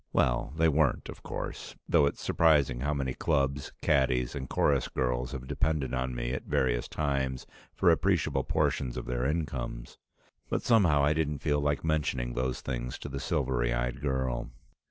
Well, they weren't of course, though it's surprising how many clubs, caddies, and chorus girls have depended on me at various times for appreciable portions of their incomes. But somehow I didn't feel like mentioning those things to the silvery eyed girl.